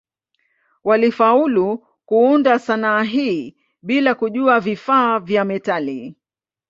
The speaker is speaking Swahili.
Walifaulu kuunda sanaa hii bila kujua vifaa vya metali.